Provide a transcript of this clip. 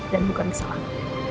dan bukan kesalahan